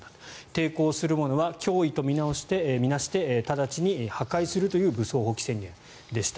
抵抗するものは脅威と見なして直ちに破壊するという武装蜂起宣言でした。